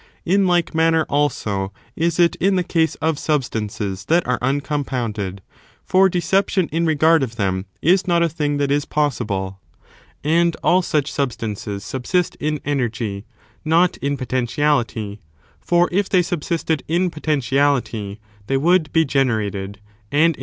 In like manner, also, is it in the case of substances that are uncompounded ; for deception in regard of them is not a thing that is possible. 8. Application And all such substances subsist in energy, tothe'rind"ie ^^^^ potentiality; for if they subsisted in that truth ii potentiality they would be generated, and in more!